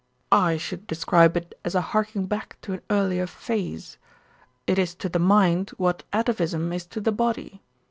"I should describe it as a harking back to an earlier phase. It is to the mind what atavism is to the body.